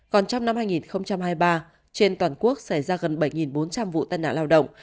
còn trong năm hai nghìn hai mươi ba trên toàn quốc xảy ra gần bảy bốn trăm linh vụ tai nạn lao động